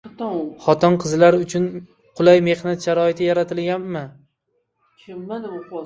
Xotin-qizlar uchun qulay mehnat sharoiti yaratilganmi?